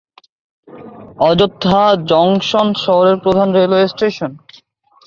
Ayodhya junction শহরের প্রধান railway station.